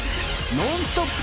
ノンストップ！